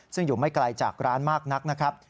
ซึ่งอยู่ไม่ไกลจากร้านมากนักนะครับ